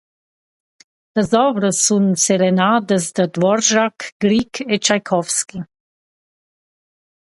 Las ouvras sun serenadas da Dvorak, Grieg e Tschaikowsky.